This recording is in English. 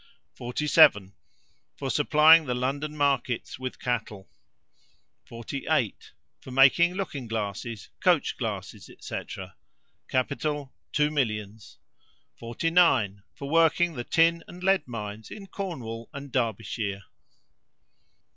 47. For supplying the London markets with cattle. 48. For making looking glasses, coach glasses, &c. Capital, two millions. 49. For working the tin and lead mines in Cornwall and Derbyshire.